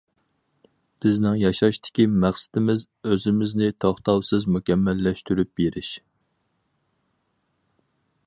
بىزنىڭ ياشاشتىكى مەقسىتىمىز، ئۆزىمىزنى توختاۋسىز مۇكەممەللەشتۈرۈپ بېرىش.